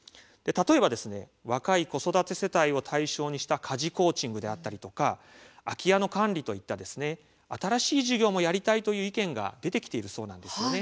例えば若い子育て世帯を対象にした家事コーチングであったり空き家の管理といった新しい事業をやりたいという意見も出てきているそうです。